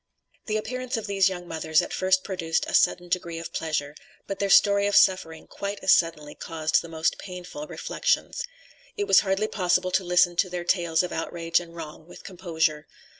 The appearance of these young mothers at first produced a sudden degree of pleasure, but their story of suffering quite as suddenly caused the most painful reflections. It was hardly possible to listen to their tales of outrage and wrong with composure.